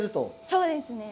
そうですね。